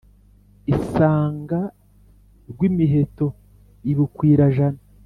isanga rwimiheto i bukwira-jana.